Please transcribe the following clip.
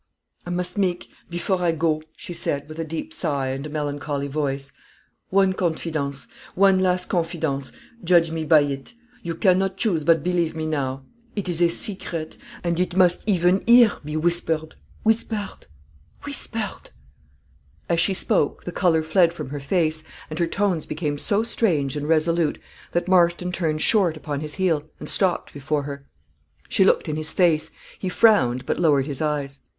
"I must make, before I go," she said, with a deep sigh and a melancholy voice, "one confidence one last confidence: judge me by it. You cannot choose but believe me now: it is a secret, and it must even here be whispered, whispered, whispered!" As she spoke, the color fled from her face, and her tones became so strange and resolute, that Marston turned short upon his heel, and stopped before her. She looked in his face; he frowned, but lowered his eyes.